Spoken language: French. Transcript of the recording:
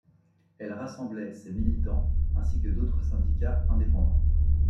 Elle rassemblait ces militants ainsi que d'autres syndicats indépendants.